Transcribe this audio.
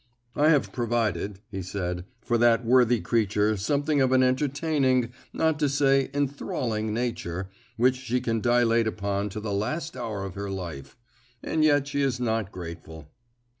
"I have provided," he said, "for that worthy creature something of an entertaining, not to say enthralling, nature, which she can dilate upon to the last hour of her life. And yet she is not grateful."